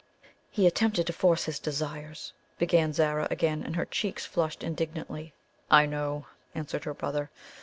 "He attempted to force his desires," began Zara again, and her cheeks flushed indignantly. "I know," answered her brother.